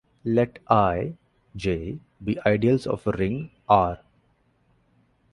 Let "I", "J" be ideals of a ring "R".